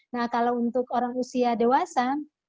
nah kalau untuk orang usia dewasa